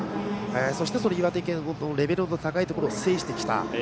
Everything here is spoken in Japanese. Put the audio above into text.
そして、岩手県というレベルの高いところを制してきた。